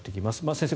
先生